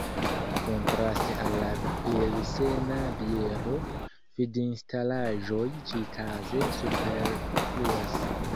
Kontraste al la pilsena biero, fridinstalaĵoj ĉi-kaze superfluas.